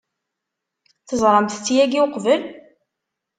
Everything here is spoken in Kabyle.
Teẓramt-tt yagi uqbel?